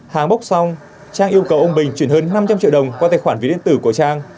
hàng bốc xong trang yêu cầu ông bình chuyển hơn năm trăm linh triệu đồng qua tài khoản ví điện tử của trang